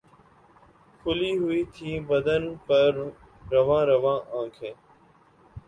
کھُلی ہوئی تھیں بدن پر رُواں رُواں آنکھیں